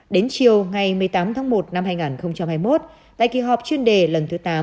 đến chiều ngày một mươi tám tháng một năm hai nghìn hai mươi một tại kỳ họp chuyên đề lần thứ tám